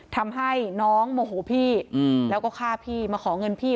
ทำให้น้องโมโหพี่แล้วก็ฆ่าพี่มาขอเงินพี่